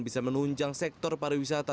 bisa menunjang sektor pariwisata